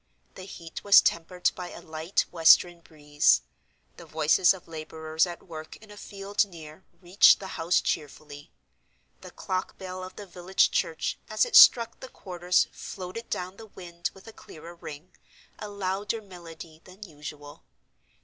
The heat was tempered by a light western breeze; the voices of laborers at work in a field near reached the house cheerfully; the clock bell of the village church as it struck the quarters floated down the wind with a clearer ring, a louder melody than usual.